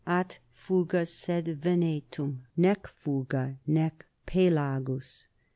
At fuga; sed Venetum nee fuga nee pelagus.